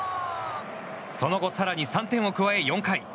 その後更に３点を加え４回。